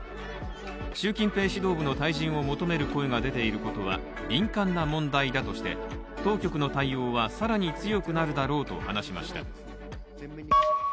習近平指導部の退陣を求める声が出ていることは敏感な問題だとして当局の対応は更に強くなるだろうと話しました。